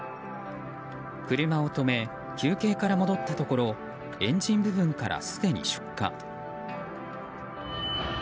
車を止め、休憩から戻ったところエンジン部分からすでに出火。